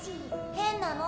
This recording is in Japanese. ・変なの